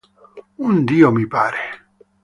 Un dio mi pare".